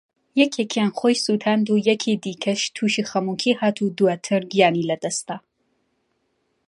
یەکێکیان خۆی سوتاند و یەکێکی دیکەش تووشی خەمۆکی هات و دواتر گیانی لەدەستدا